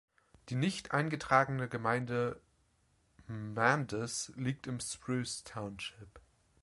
Die nicht eingetragene Gemeinde Mandus liegt im Spruce Township.